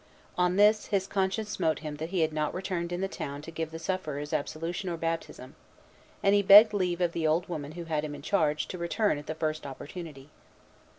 On this, his conscience smote him that he had not remained in the town to give the sufferers absolution or baptism; and he begged leave of the old woman who had him in charge to return at the first opportunity.